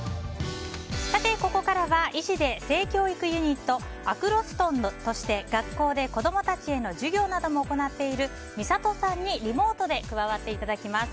ここからは医師で性教育ニットアクロストンとして学校で子供たちへの授業なども行っているみさとさんにリモートで加わってもらいます。